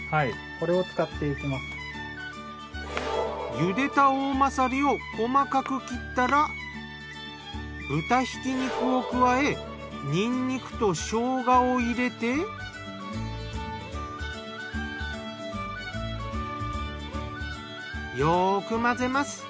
ゆでたおおまさりを細かく切ったら豚ひき肉を加えにんにくと生姜を入れてよく混ぜます。